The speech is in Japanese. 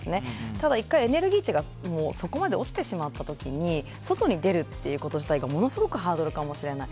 ただ１回エネルギー値がそこまで落ちてしまった時に外に出るっていうこと自体がものすごいハードルかもしれない。